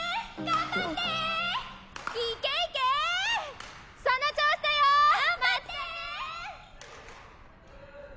頑張って！